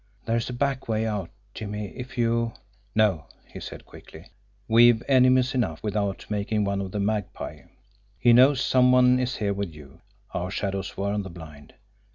There's a back way out, Jimmie, if you " "No," he said quickly. "We've enemies enough, with out making one of the Magpie. He knows some one is here with you our shadows were on the blind.